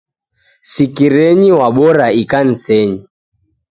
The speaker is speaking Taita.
Sikirenyi w'abora ikanisenyi.